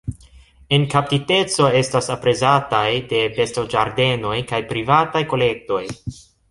En kaptiteco estas aprezataj de bestoĝardenoj kaj privataj kolektoj.